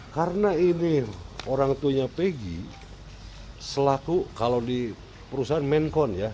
karena ini orang tuanya pegi selaku kalau di perusahaan menkon ya